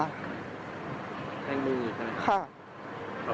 แทงมือค่ะค่ะ